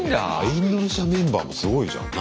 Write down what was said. インドネシアメンバーもすごいじゃん。